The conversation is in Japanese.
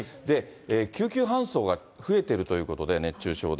救急搬送が増えているということで、熱中症で。